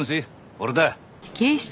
俺だ。